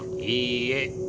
いいえ。